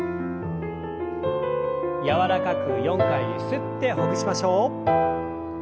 柔らかく４回ゆすってほぐしましょう。